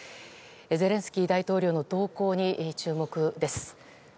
ゼレンスキー大統領の動向に注目です。